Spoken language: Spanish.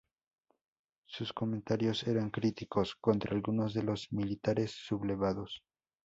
Sus comentarios eran críticos contra algunos de los militares sublevados.